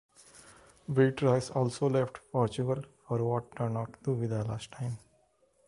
Beatrice also left Portugal for what turned out to be the last time.